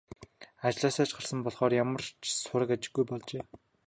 Ажлаасаа ч гарсан болохоор ямар ч сураг ажиггүй болжээ.